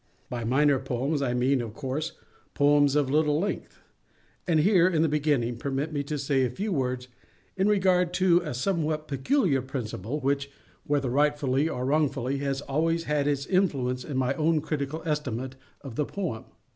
By "minor poems" I mean, of course, poems of little length. And here, in the beginning, permit me to say a few words in regard to a somewhat peculiar principle, which, whether rightfully or wrongfully, has always had its influence in my own critical estimate of the poem.